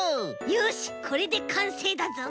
よしこれでかんせいだぞ。